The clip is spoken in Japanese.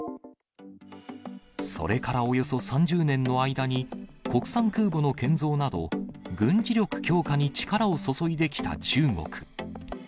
それからおよそ３０年の間に、国産空母の建造など、軍事力強化に力を注いできた中国。